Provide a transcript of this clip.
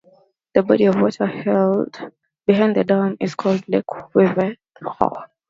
The body of water held behind the dam is called Lake Wivenhoe.